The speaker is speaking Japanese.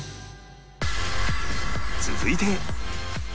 続いて